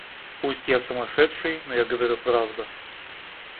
Пусть я сумасшедший, но я говорю правду.